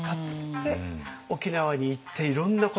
で沖縄に行っていろんなことが。